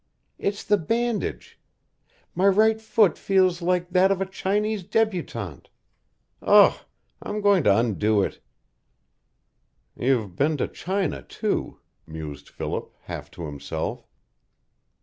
"It's the bandage. My right foot feels like that of a Chinese debutante. Ugh! I'm going to undo it." "You've been to China, too," mused Philip, half to himself.